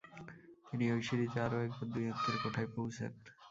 তিনি ঐ সিরিজে আরও একবার দুই অঙ্কের কোঠায় পৌঁছেন।